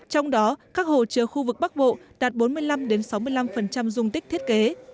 trong đó các hồ chứa khu vực bắc bộ đạt bốn mươi năm sáu mươi năm dung tích thiết kế